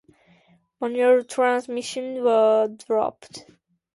Manual transmissions were dropped.